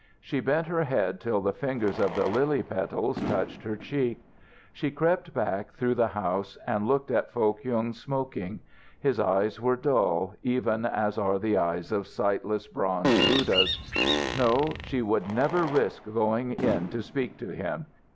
She bent her head till the fingers of the lily petals touched her cheek. She crept back through the house, and looked at Foh Kyung smoking. His eyes were dull, even as are the eyes of sightless bronze Buddhas. No, she would never risk going in to speak to him.